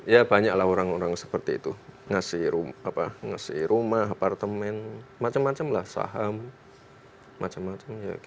ya banyaklah orang orang seperti itu ngasih rumah apartemen macam macam lah saham macam macam